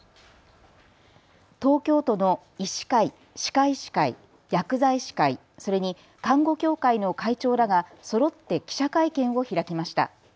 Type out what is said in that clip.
東京都の医師会、歯科医師会、薬剤師会、それに看護協会の会長らが、そろって記者会見を開きました。